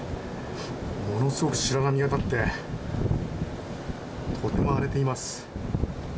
ものすごく白波が立って、とても荒れています。